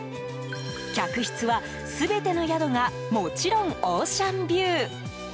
客室は、全ての宿がもちろんオーシャンビュー。